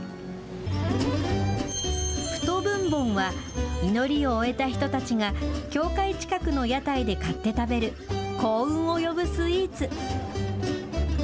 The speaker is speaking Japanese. プト・ブンボンは、祈りを終えた人たちが、教会近くの屋台で買って食べる幸運を呼ぶスイーツ。